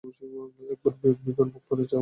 একবার বিভার মুখপানে চাও, মহারাজ।